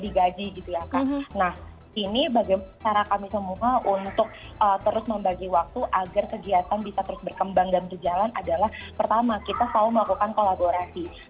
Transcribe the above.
nah ini bagaimana cara kami semua untuk terus membagi waktu agar kegiatan bisa terus berkembang dan berjalan adalah pertama kita selalu melakukan kolaborasi